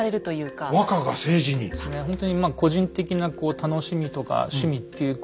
ほんとにまあ個人的な楽しみとか趣味っていう